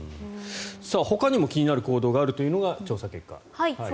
ほかにも気になる行動があるというのが、調査結果で。